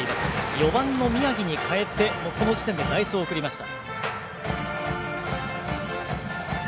４番の宮城に代えてこの時点で代走を送りました。